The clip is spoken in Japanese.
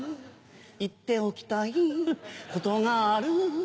言っておきたい事がある